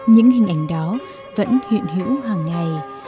những hình ảnh đó vẫn huyện hữu hàng ngày